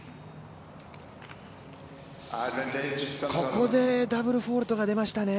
ここでダブルフォルトが出ましたね。